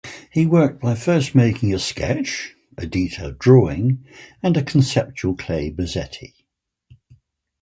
He worked by first making a sketch, a detailed drawing, and conceptual clay bozzetti.